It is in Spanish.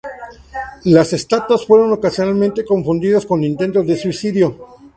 Las estatuas fueron ocasionalmente confundidas con intentos de suicidio.